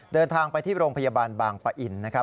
เดินทางไปที่โรงพยาบาลบางปะอินนะครับ